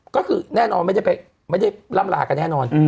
ก็คือแน่นอนไม่ได้ล่ำลากันแน่นอน